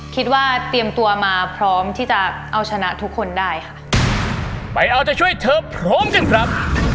เตรียมตัวมาพร้อมที่จะเอาชนะทุกคนได้ค่ะไปเอาใจช่วยเธอพร้อมกันครับ